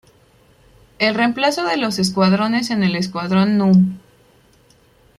El reemplazo de los escuadrones en el Escuadrón Núm.